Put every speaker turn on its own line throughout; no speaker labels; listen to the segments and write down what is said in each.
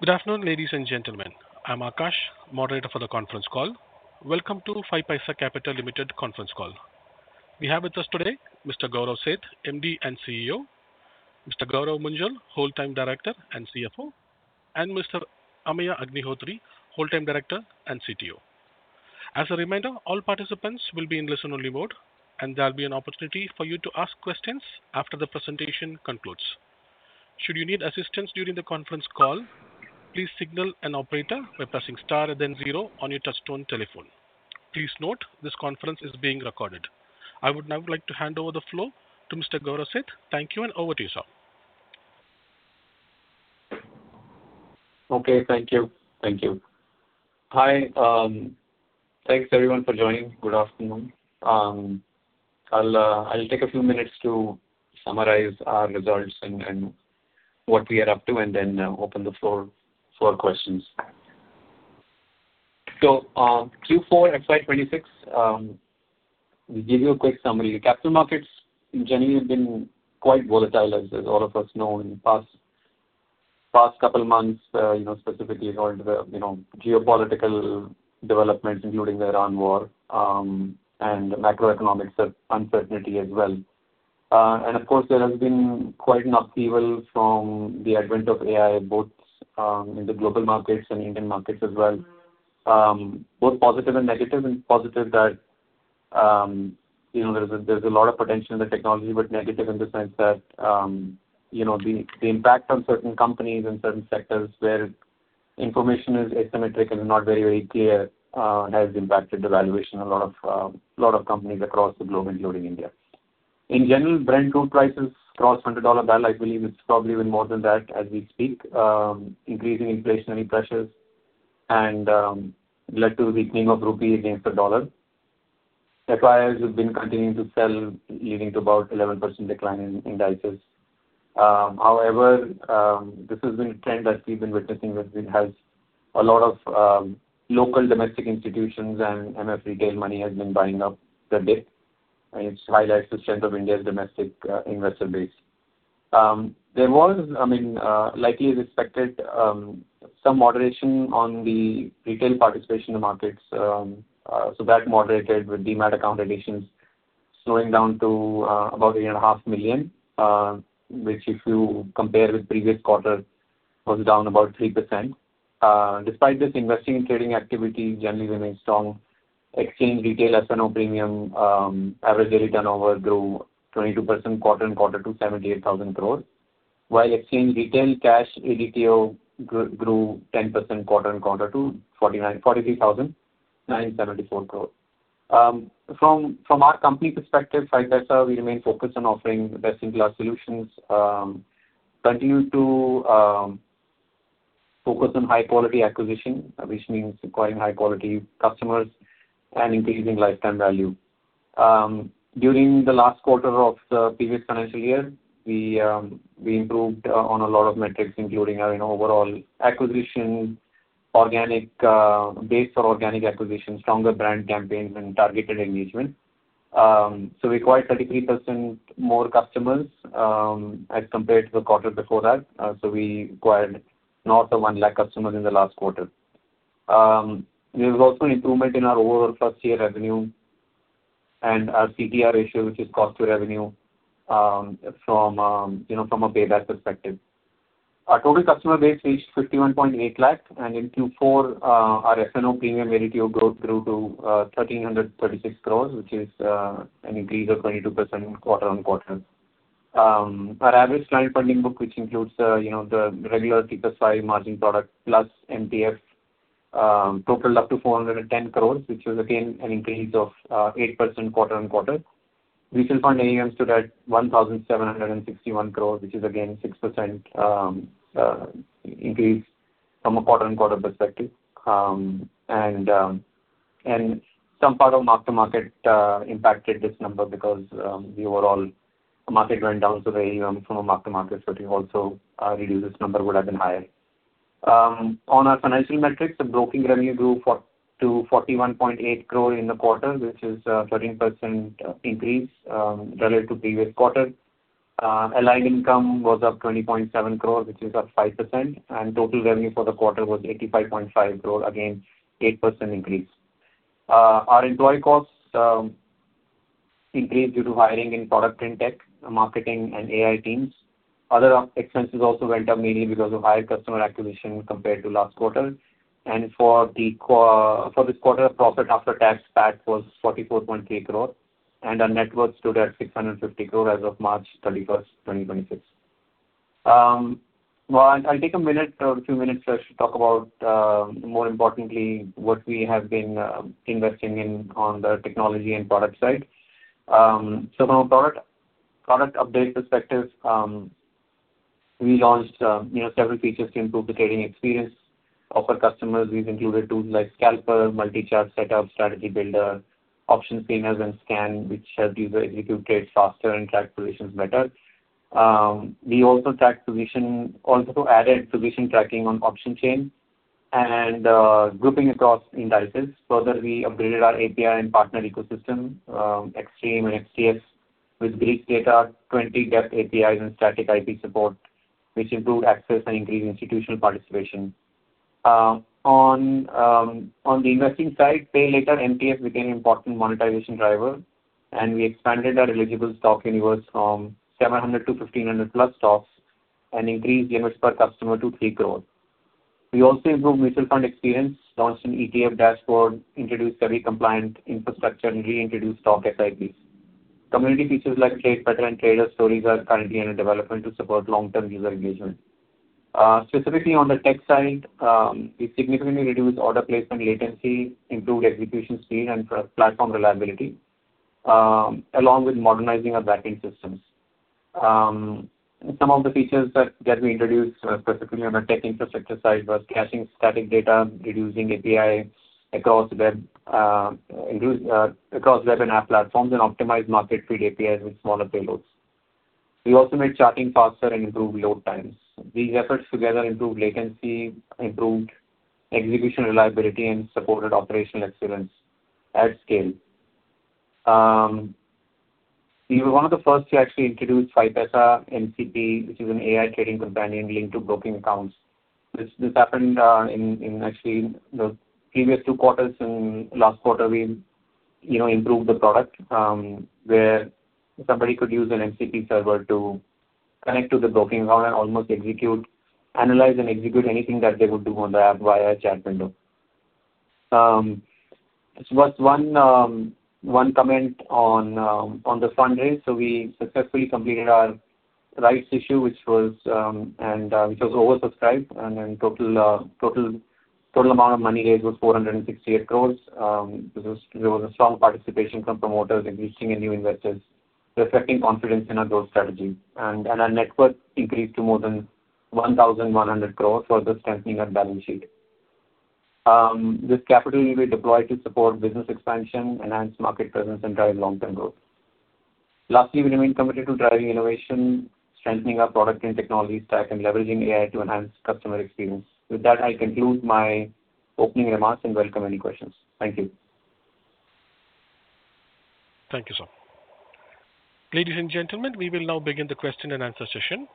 Good afternoon, ladies and gentlemen. I'm Akash, moderator for the conference call. Welcome to 5paisa Capital Limited Conference Call. We have with us today Mr. Gaurav Seth, MD and CEO, Mr. Gourav Munjal, Whole-time Director and CFO, and Mr. Ameya Agnihotri, Whole-time Director and CTO. As a reminder, all participants will be in listen-only mode, and there'll be an opportunity for you to ask questions after the presentation concludes. Should you need assistance during the conference call, please signal an operator by pressing star and then zero on your touch-tone telephone. Please note this conference is being recorded. I would now like to hand over the floor to Mr. Gaurav Seth. Thank you, over to you, sir.
Okay. Thank you. Thank you. Hi. Thanks everyone for joining. Good afternoon. I'll take a few minutes to summarize our results and what we are up to and then open the floor for questions. Q4 FY 2026, we give you a quick summary. The capital markets in general have been quite volatile, as all of us know, in the past couple of months, specifically around the geopolitical developments, including the Iran war, and macroeconomics uncertainty as well. Of course, there has been quite an upheaval from the advent of AI both in the global markets and Indian markets as well. Both positive and negative. Positive that, you know, there's a lot of potential in the technology, but negative in the sense that, you know, the impact on certain companies and certain sectors where information is asymmetric and not very clear, has impacted the valuation a lot of companies across the globe, including India. In general, Brent crude prices crossed $100 a barrel. I believe it's probably even more than that as we speak. Increasing inflationary pressures and led to weakening of rupee against the dollar. FIIs have been continuing to sell, leading to about 11% decline in indices. However, this has been a trend that we've been witnessing, where it has a lot of local domestic institutions and MF retail money has been buying up the dip, and it highlights the strength of India's domestic investor base. There was, I mean, likely respected, some moderation on the retail participation in the markets. That moderated with DEMAT account additions slowing down to about 8.5 million, which if you compare with previous quarter, was down about 3%. Despite this, investing and trading activity generally remained strong. Exchange retail F&O premium, average daily turnover grew 22% quarter-on-quarter to 78,000 crore, while exchange retail cash ADTO grew 10% quarter-on-quarter to 43,974 crore. From, from our company perspective, 5paisa, we remain focused on offering best-in-class solutions, continue to focus on high-quality acquisition, which means acquiring high-quality customers and increasing lifetime value. During the last quarter of the previous financial year, we improved on a lot of metrics, including our, you know, overall acquisition, organic base for organic acquisition, stronger brand campaigns and targeted engagement. We acquired 33% more customers as compared to the quarter before that. We acquired north of 1 lakh crore customers in the last quarter. There was also improvement in our overall cost-to-revenue and our CTR ratio, which is cost-to-revenue, from, you know, from a payback perspective. Our total customer base reached 51.8 lakh crore. In Q4, our F&O premium ADTO growth grew to 1,336 crores, which is an increase of 22% quarter-on-quarter. Our average client funding book, which includes, you know, the regular T+5 margin product plus MPF, totaled up to 410 crores, which was again an increase of 8% quarter-on-quarter. Retail funded AUM stood at 1,761 crores, which is again 6% increase from a quarter-on-quarter perspective. Some part of mark-to-market impacted this number because the overall market went down. The AUM from a mark-to-market perspective also reduced. This number would have been higher. On our financial metrics, the broking revenue grew to 41.8 crore in the quarter, which is a 13% increase relative to previous quarter. Allied income was up 20.7 crore, which is up 5%, and total revenue for the quarter was 85.5 crore, again 8% increase. Our employee costs increased due to hiring in product and tech, marketing, and AI teams. Other expenses also went up, mainly because of higher customer acquisition compared to last quarter. For this quarter, profit after tax, PAT, was 44.8 crore, and our net worth stood at 650 crore as of March 31st, 2026. Well, I'll take a minute or a few minutes just to talk about, more importantly, what we have been investing in on the technology and product side. So from a product update perspective, you know, we launched several features to improve the trading experience of our customers. We've included tools like Scalper, Multi-Chart Setup, Strategy Builder, Options Screeners and Scan, which help users execute trades faster and track positions better. We also added position tracking on option chain. Grouping across indices. Further, we upgraded our API and partner ecosystem, Xstream and XTS with Greek data, 20 gap APIs and static IP support, which improved access and increased institutional participation. On the investing side, Pay Later MTF became important monetization driver. We expanded our eligible stock universe from 700-1,500+ stocks and increased AUMs per customer to 3 crore. We also improved mutual fund experience, launched an ETF Dashboard, introduced SEBI-compliant infrastructure, and reintroduced stock SIPs. Community features like trade pattern and trader stories are currently under development to support long-term user engagement. Specifically on the tech side, we significantly reduced order placement latency, improved execution speed and pro-platform reliability along with modernizing our backing systems. Some of the features that we introduced specifically on the tech infrastructure side was caching static data, reducing API across web and app platforms, and optimized market feed APIs with smaller payloads. We also made charting faster and improved load times. These efforts together improved latency, improved execution reliability, and supported operational excellence at scale. We were one of the first to actually introduce 5paisa MCP, which is an AI trading companion linked to broking accounts. This happened in actually the previous two quarters. In last quarter we, you know, improved the product, where somebody could use an MCP server to connect to the broking account and almost execute, analyze, and execute anything that they would do on the app via chat window. There was one comment on the fundraise. We successfully completed our rights issue, which was oversubscribed, and total amount of money raised was 468 crores. There was a strong participation from promoters, existing, and new investors, reflecting confidence in our growth strategy. Our net worth increased to more than 1,100 crores, further strengthening our balance sheet. This capital will be deployed to support business expansion, enhance market presence, and drive long-term growth. Lastly, we remain committed to driving innovation, strengthening our product and technology stack, and leveraging AI to enhance customer experience. With that, I conclude my opening remarks and welcome any questions. Thank you.
Thank you, sir. Ladies and gentlemen, we will now begin the question-and-answer session.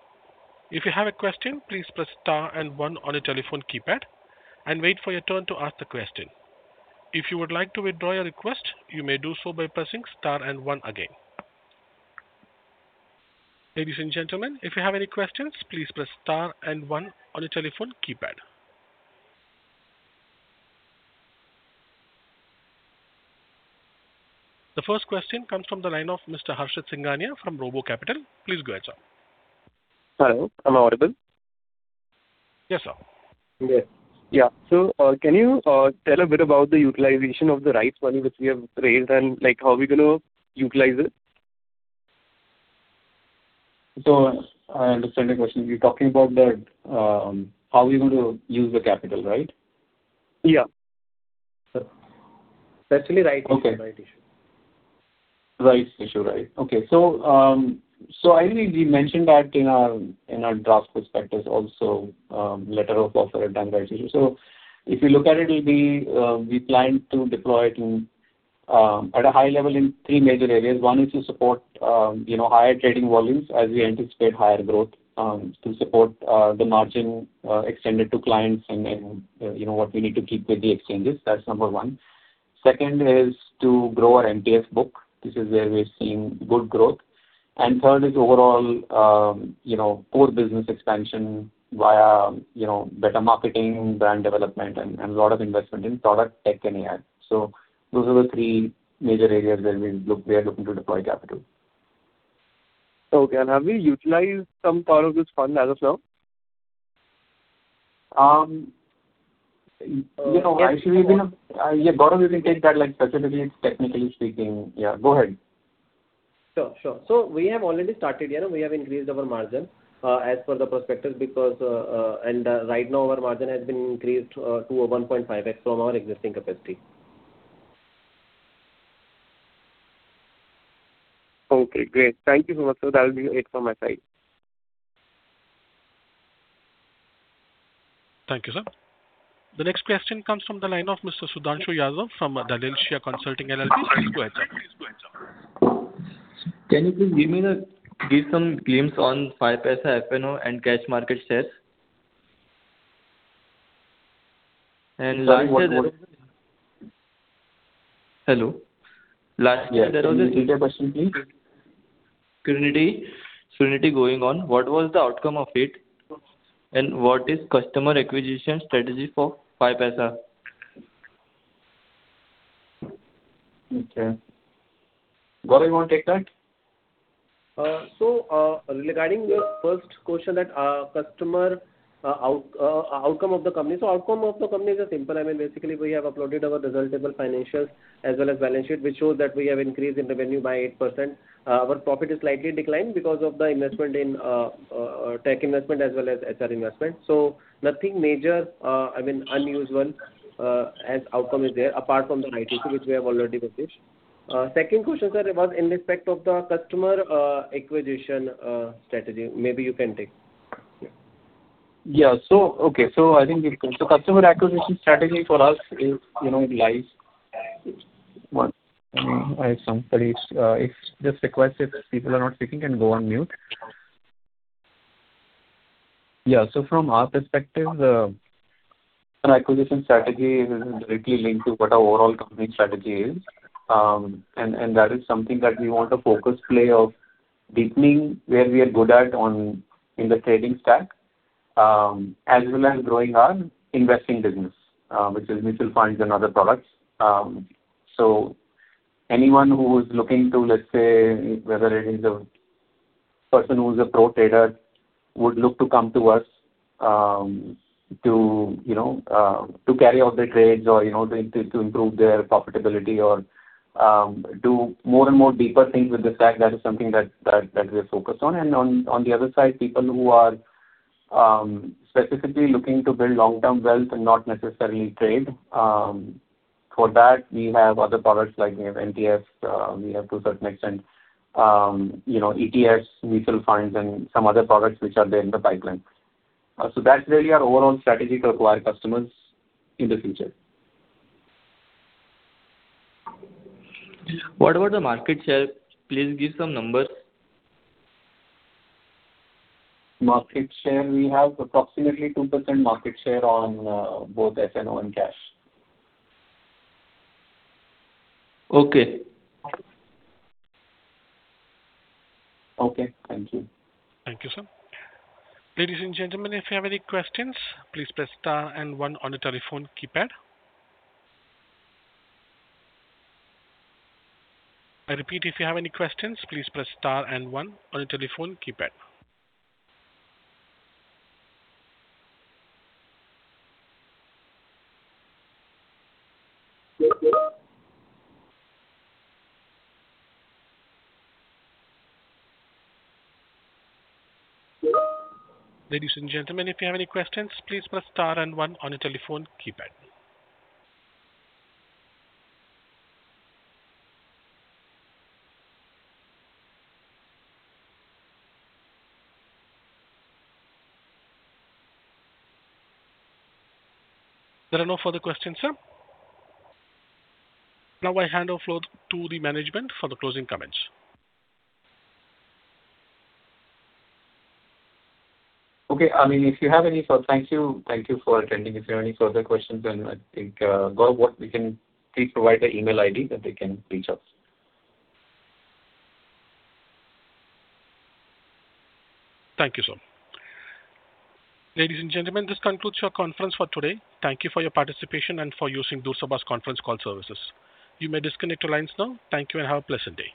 The first question comes from the line of Mr. Harshit Singhania from RoboCapital. Please go ahead, sir.
Hello, am I audible?
Yes, sir.
Great. Yeah. Can you tell a bit about the utilization of the rights money which we have raised and, like, how we're gonna utilize it?
I understand your question. You're talking about the how we're going to use the capital, right?
Yeah.
Especially rights issue.
Okay.
Right issue.
Right issue, right. Okay. I believe we mentioned that in our draft prospectus also, letter of offer and rights issue. If you look at it'll be, we plan to deploy it in at a high level in three major areas. One is to support, you know, higher trading volumes as we anticipate higher growth, to support the margin extended to clients and then, you know, what we need to keep with the exchanges. That's number one. Second is to grow our MTF book. This is where we're seeing good growth. Third is overall, you know, core business expansion via, you know, better marketing, brand development, and lot of investment in product tech and AI. Those are the three major areas where we are looking to deploy capital.
Okay. Have we utilized some part of this fund as of now?
You know, actually we've been, yeah, Gourav, you can take that, like, specifically technically speaking. Yeah, go ahead.
Sure. We have already started, you know, we have increased our margin as per the prospectus. Right now our margin has been increased to 1.5x from our existing capacity.
Okay, great. Thank you so much, sir. That will be it from my side.
Thank you, sir. The next question comes from the line of Mr. Sudhanshu Yadav from Talencia Consulting LLP. Please go ahead, sir.
Can you please give me some glimpse on 5paisa F&O and cash market shares? Lastly.
Sorry, what was?
Hello. Lastly, there was.
Yeah. Can you repeat your question, please?
[certainty] going on. What was the outcome of it? What is customer acquisition strategy for 5paisa?
Okay. Gourav, you wanna take that?
Regarding your first question that customer outcome of the company. Outcome of the company is simple. I mean, basically we have uploaded our result table financials as well as balance sheet, which shows that we have increased in revenue by 8%. Our profit is slightly declined because of the investment in tech investment as well as SR investment. Nothing major, I mean, unusual as outcome is there apart from the right issue, which we have already mentioned. Second question, sir, was in respect of the customer acquisition strategy. Maybe you can take.
Yeah. Okay. I think the customer acquisition strategy for us is, you know.
One. I have some queries. If this request, if people are not speaking can go on mute.
Yeah. From our perspective, an acquisition strategy is directly linked to what our overall company strategy is. That is something that we want to focus play of deepening where we are good at on in the trading stack, as well as growing our investing business, which is mutual funds and other products. Anyone who is looking to, let's say, whether it is a person who is a pro trader would look to come to us, to, you know, to carry out their trades or, you know, to improve their profitability or, do more and more deeper things with the stack. That is something that we are focused on. On the other side, people who are specifically looking to build long-term wealth and not necessarily trade, for that we have other products like we have MTF, we have to a certain extent, you know, ETFs, mutual funds and some other products which are there in the pipeline. That's really our overall strategy to acquire customers in the future.
What about the market share? Please give some numbers.
Market share. We have approximately 2% market share on both F&O and cash.
Okay.
Okay. Thank you.
Thank you, sir. Ladies and gentlemen, if you have any questions, please press star and one on the telephone keypad. I repeat, if you have any questions, please press star and one on the telephone keypad. Ladies and gentlemen, if you have any questions, please press star and one on your telephone keypad. There are no further questions, sir. I hand over floor to the management for the closing comments.
Okay. I mean, Thank you. Thank you for attending. If you have any further questions I think, Gourav, what we can please provide the email ID that they can reach us.
Thank you, sir. Ladies and gentlemen, this concludes your conference for today. Thank you for your participation and for using Door Sabha's Conference Call Services. You may disconnect your lines now. Thank you and have a pleasant day.